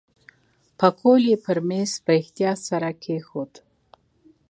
پکول یې پر میز په احتیاط سره کېښود.